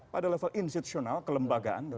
pada level institusional kelembagaan